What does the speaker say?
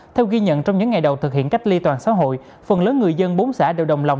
theo ghi nhận trong những ngày đầu thực hiện cách ly toàn xã hội phần lớn người dân bốn xã đều đồng lòng